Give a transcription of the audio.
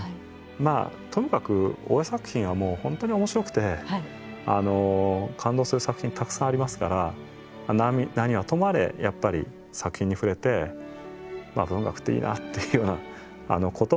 まあとにかく大江作品は本当に面白くて感動する作品たくさんありますから何はともあれやっぱり作品に触れて文学っていいなっていうようなこともですね